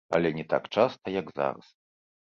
Але не так часта, як зараз.